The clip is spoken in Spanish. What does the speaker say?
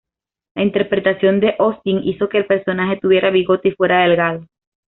La interpretación de Austin hizo que el personaje tuviera bigote y fuera delgado.